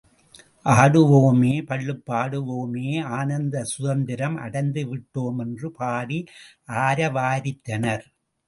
ஆடுவோமே பள்ளுப் பாடுவோமே ஆனந்த சுதந்திரம் அடைந்து விட்டோம் என்று பாடி ஆரவாரித்தனர்.